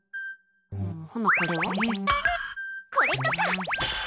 これとか！